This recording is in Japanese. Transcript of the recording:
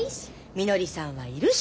みのりさんはいるし。